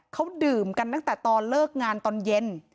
เขาดื่มกันตั้งแต่ตอนเลิกงานตอนเย็น